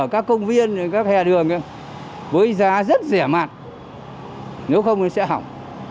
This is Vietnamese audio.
các công viên các khe đường với giá rất rẻ mạt nếu không thì sẽ hỏng